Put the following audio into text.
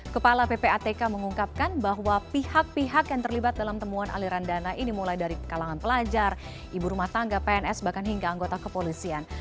kepala ppatk mengungkapkan bahwa pihak pihak yang terlibat dalam temuan aliran dana ini mulai dari kalangan pelajar ibu rumah tangga pns bahkan hingga anggota kepolisian